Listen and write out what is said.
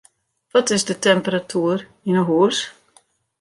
Wat is de temperatuer yn 'e hûs?